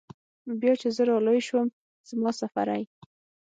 بيا چې زه رالوى سوم زما مسافرۍ.